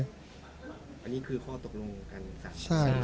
อันนี้คือข้อตกลงกันจัด